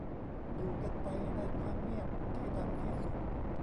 อยู่กันไปในความเงียบที่ดังที่สุด